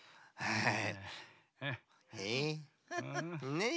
ねえ。